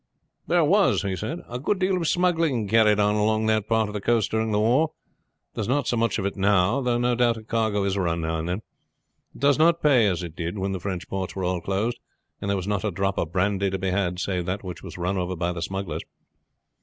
"There was," he said, "a good deal of smuggling carried on along that part of the coast during the war; but there is not so much of it now, though no doubt a cargo is run now and then. It does not pay as it did when the French ports were all closed, and there was not a drop of brandy to be had save that which was run by the smugglers.